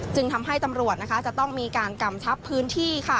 ทำให้ตำรวจจะต้องมีการกำชับพื้นที่